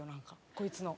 こいつの。